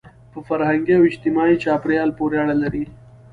په فرهنګي او اجتماعي چاپېریال پورې اړه لري.